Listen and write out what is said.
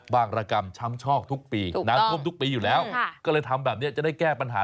กระกรรมช้ำชอกทุกปีน้ำท่วมทุกปีอยู่แล้วก็เลยทำแบบนี้จะได้แก้ปัญหา